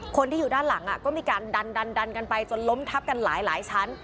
คนที่อยู่ด้านหลังอ่ะก็มีการดันดันดันกันไปจนล้มทับกันหลายหลายชั้น